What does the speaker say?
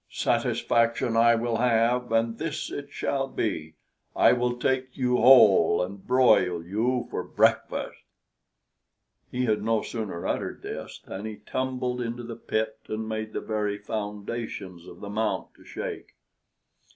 Satisfaction I will have, and this it shall be, I will take you whole and broil you for breakfast." He had no sooner uttered this, than he tumbled into the pit, and made the very foundations of the Mount to shake.